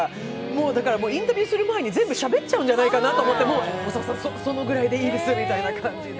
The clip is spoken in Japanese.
だから、インタビューする前に全部しゃべっちゃうんじゃないかなと思って、大沢さん、そのぐらいでいいですって感じで。